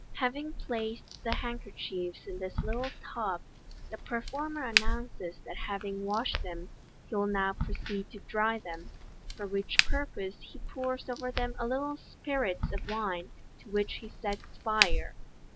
Having placed the handkerchiefs in this little tub, the performer announces that having washed them, he will now proceed to dry Ihem, for which purpose he pours over them a little spirits of wine, to which he sets fiire.